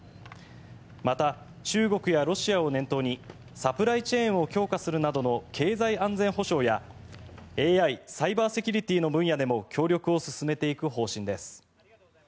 また、中国やロシアを念頭にサプライチェーンを強化するなどの経済安全保障やＡＩ、サイバーセキュリティーの分野でも協力を進めていく方針です。